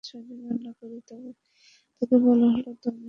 তাকে বলা হল, তুমি ইযকীলকে দেখেছ, তবে তোমার সাথে আর কে দেখেছে?